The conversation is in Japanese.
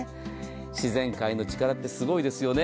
自然界の力ってすごいですよね。